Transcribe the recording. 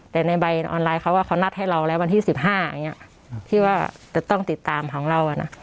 แต่ในใบออนไลน์เขาว่าเขานัดให้เราแล้ววันที่สิบห้าอย่างเงี้ยคิดว่าจะต้องติดตามของเราอ่ะน่ะ